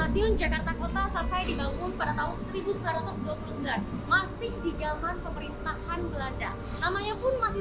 dion jakarta kota sampai dibangun pada tahun seribu sembilan ratus dua puluh sembilan masih di zaman pemerintahan belanda namanya pun masih